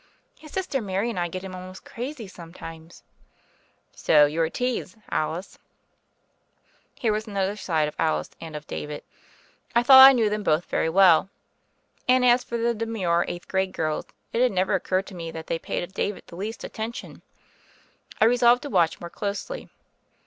"His sister Mary and I get him almost crazy sometimes." "So you're a tease, Alice." Here was another side of Alice and of David. I thought I knew them both very well. And as for the demure eighth grade girls, it had never occurred to me that they paid David the least attention. I resolved to watch more closely.